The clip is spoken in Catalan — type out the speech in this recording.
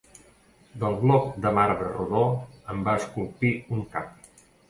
Del bloc de marbre rodó en va esculpir un cap.